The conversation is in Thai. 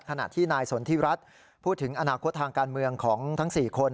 ขณะที่นายสนทิรัฐพูดถึงอนาคตทางการเมืองของทั้ง๔คน